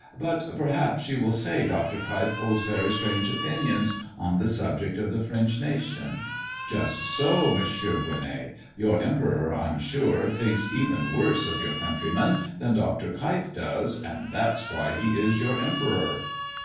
But perhaps you will say Dr. Keif holds very strange opinions on the subject of the French nation. Just so, Mons. Gueronnay. Your emperor, I'm sure, thinks even worse of your countrymen than Dr. Keif does, and that's why he is your Emperor!"